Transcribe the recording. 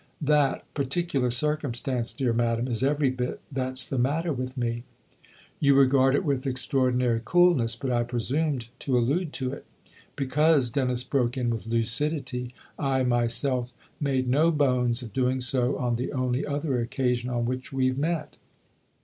"That ' particular circumstance,' dear madam, is every bit that's the matter with me !"" You regard it with extraordinary coolness, but I presumed to allude to it "" Because," Dennis broke in with lucidity, " I myself made no bones of doing so on the only other occasion on which we've met